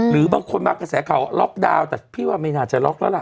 หรือบางคนว่ากระแสเขาแล้วแต่พี่ว่าไม่น่าจะล็อคแล้วล่ะ